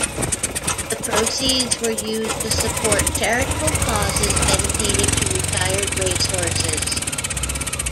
The proceeds were used to support charitable causes dedicated to retired race horses.